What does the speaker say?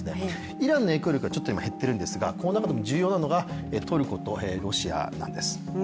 イランの影響力はちょっと今、減ってるんですがこの中で重要なのがトルコとロシアなんです。